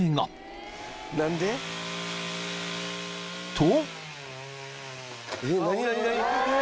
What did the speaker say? ［と］